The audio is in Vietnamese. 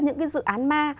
những dự án ma